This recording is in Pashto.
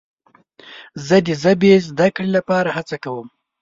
زه د ژبې زده کړې لپاره هڅه کوم.